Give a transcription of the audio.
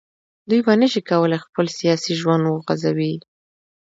دوی به نه شي کولای خپل سیاسي ژوند وغځوي